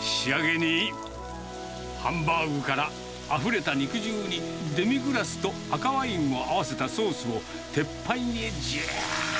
仕上げに、ハンバーグからあふれた肉汁に、デミグラスと赤ワインを合わせたソースを、鉄板へじゃー。